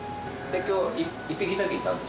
今日一匹だけいたんですよ。